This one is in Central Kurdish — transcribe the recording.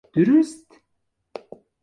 دروست!